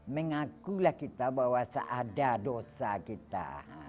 mengakulah kita bahwa seada dosa kita